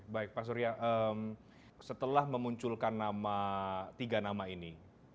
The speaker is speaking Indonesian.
baik pak surya setelah memunculkan tiga nama ini